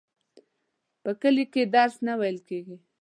په کلي کي درس نه وویل کیږي.